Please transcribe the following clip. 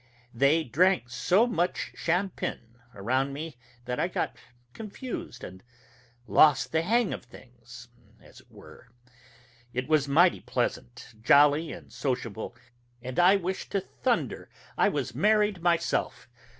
They drank so much shampin around me that I got confused, and lost the hang of things, as it were.... It was mighty pleasant, jolly and sociable, and I wish to thunder I was married myself.